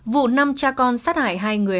vụ năm cha con sát hại hai người